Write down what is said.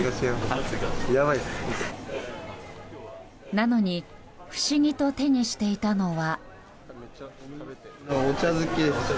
なのに不思議と手にしていたのは。